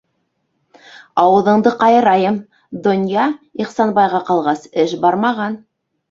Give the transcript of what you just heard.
Ауыҙыңды ҡайырайым, донъя, Ихсанбайға ҡалғас, эш бармаған!